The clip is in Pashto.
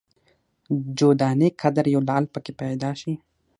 جو دانې قدر یو لعل په کې پیدا شي.